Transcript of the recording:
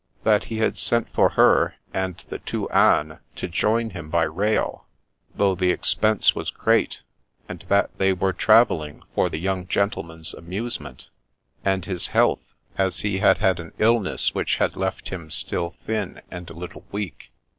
That he had sent for her and the two anes to join him by rail, though the expense was great, and that they were travelling for the young gentleman's amuse ment, and his health, as he had had an illness which has left him still thin, and a little weak.